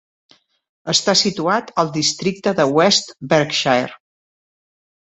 Està situat al districte de West Berkshire.